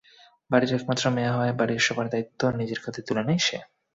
বাড়ির একমাত্র মেয়ে হওয়ায় বাড়ির সবার দায়িত্ব নিজের কাঁধে তুলে নেয় সে।